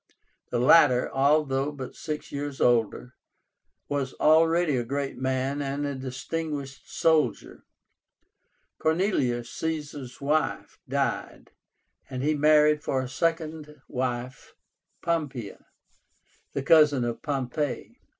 The latter, although but six years older, was already a great man and a distinguished soldier. Cornelia, Caesar's wife, died, and he married for a second wife Pompeia, the cousin of Pompey.